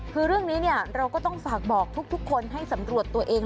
คือเรื่องนี้เราก็ต้องฝากบอกทุกคนให้สำรวจตัวเอง